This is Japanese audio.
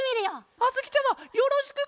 あづきちゃまよろしくケロ！